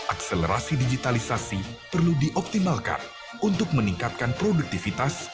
akselerasi digitalisasi perlu dioptimalkan untuk meningkatkan produktivitas